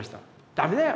「ダメだよ